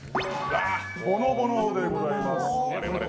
「ぼのぼの」でございます。